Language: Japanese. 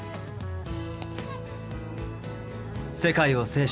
世界を制した